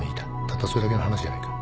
たったそれだけの話じゃないか。